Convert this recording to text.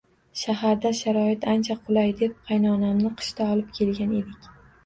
Shaharda sharoit ancha qulay deb qaynonamni qishda olib kelgan edik